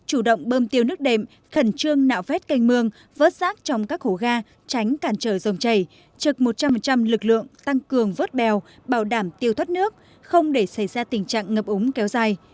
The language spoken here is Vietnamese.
chủ động bơm tiêu nước đệm khẩn trương nạo vét canh mương vớt rác trong các hố ga tránh cản trở dòng chảy trực một trăm linh lực lượng tăng cường vớt bèo bảo đảm tiêu thoát nước không để xảy ra tình trạng ngập úng kéo dài